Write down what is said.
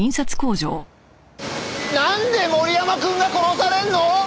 なんで森山くんが殺されるの？